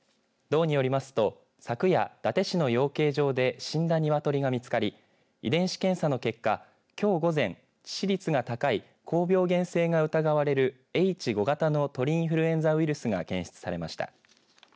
道によりますと昨夜伊達市の養鶏場で死んだ鶏が見つかり遺伝子検査の結果きょう午前、致死率が高い高病原性が疑われるＨ５型の鳥インフルエンザウイルスが検出されました。